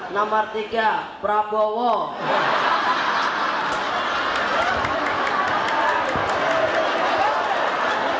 namar tiga pak jokowi